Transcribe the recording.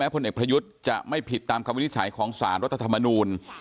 พลเอกประยุทธ์จะไม่ผิดตามคำวินิจฉัยของสารรัฐธรรมนูล